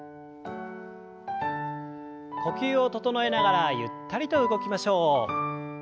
呼吸を整えながらゆったりと動きましょう。